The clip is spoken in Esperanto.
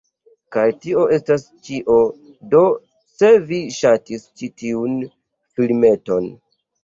Kaj tio estas ĉio do se vi ŝatis ĉi tiun filmeton